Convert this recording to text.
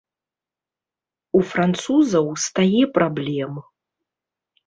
У французаў стае праблем.